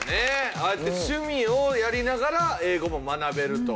ああやって趣味をやりながら英語も学べると。